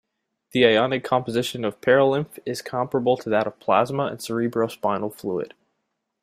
The ionic composition of perilymph is comparable to that of plasma and cerebrospinal fluid.